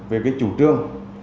về cái chủ trương